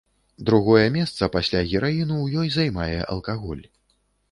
Другое месца пасля гераіну ў ёй займае алкаголь.